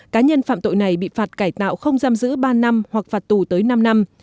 cá nhân phạm tội này bị phạt cải tạo không giam giữ ba năm hoặc phạt tù tới năm năm